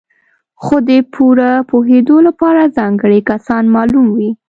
خو د پوره پوهېدو لپاره ځانګړي کسان معلوم وي.